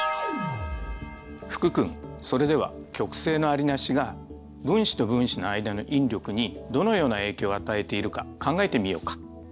福君それでは極性のありなしが分子と分子の間の引力にどのような影響を与えているか考えてみようか。